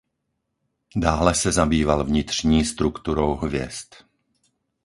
Dále se zabýval vnitřní strukturou hvězd.